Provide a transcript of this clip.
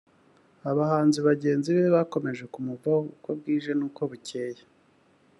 abahanzi bagenzi be bakomeje kumuvaho uko bwije n’uko bukeye